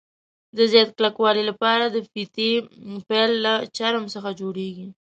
د زیات کلکوالي له پاره د فیتې پیل له چرم څخه جوړوي.